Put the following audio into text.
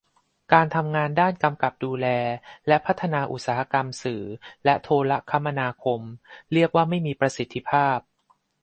การทำงานด้านกำกับดูแล และ พัฒนาอุตสาหกรรม สื่อ และ โทรคมนาคม เรียกว่าไม่มีประสิทธิภาพ